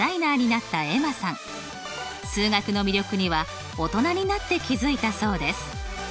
数学の魅力には大人になって気付いたそうです。